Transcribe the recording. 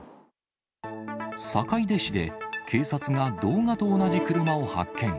坂出市で、警察が動画と同じ車を発見。